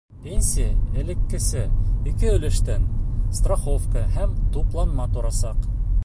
Пенсия элеккесә ике өлөштән — страховка һәм тупланма — торасаҡ.